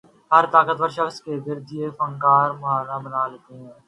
ہر طاقت ور شخص کے گرد یہ فنکار محاصرہ بنا لیتے ہیں۔